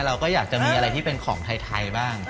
เราก็อยากจะมีอะไรที่เป็นของไทยบ้าง